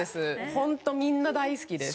ホントみんな大好きです。